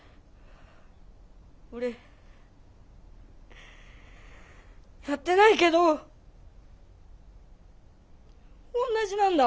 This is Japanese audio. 俺やってないけどおんなじなんだ。